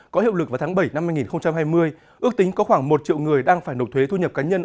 có hiệu lực vào tháng bảy năm hai nghìn hai mươi ước tính có khoảng một triệu người đang phải nộp thuế thu nhập cá nhân